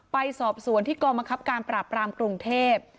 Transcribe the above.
ไปสอบสวนที่กองบังคับการปราบรามกรุงเทพ